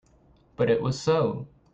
But it was so.